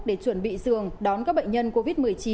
để chuẩn bị giường đón các bệnh nhân covid một mươi chín